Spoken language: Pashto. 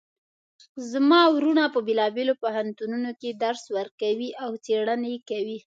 زما وروڼه په بیلابیلو پوهنتونونو کې درس ورکوي او څیړنې کوی